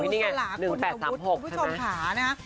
มีนี่ไง๑๘๓๖ค่ะนะ